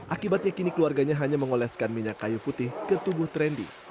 akibatnya kini keluarganya hanya mengoleskan minyak kayu putih ke tubuh trendy